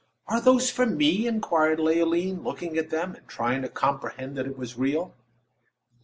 "Are those for me?" inquired Leoline, looking at them, and trying to comprehend that it was all real.